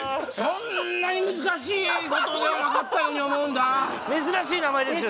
そんなに難しいことではなかったように思うんだ珍しい名前ですよね